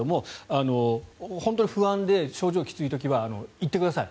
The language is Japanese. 改めてになりますが本当に不安で症状がきつい時には行ってください。